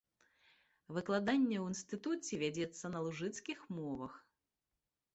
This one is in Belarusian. Выкладанне ў інстытуце вядзецца на лужыцкіх мовах.